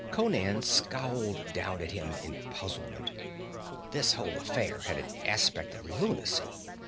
Conan scowled down at him in puzzlement. This whole affair had an aspect of lunacy.